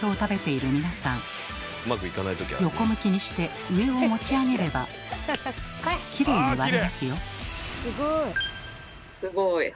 横向きにして上を持ち上げればきれいに割れますよ。